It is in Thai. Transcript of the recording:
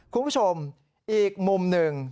คุณผู้ชมอีกมุมหนึ่ง